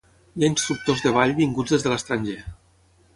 Hi ha instructors de ball vinguts des de l'estranger.